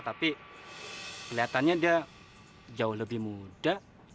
tapi kelihatannya dia jauh lebih muda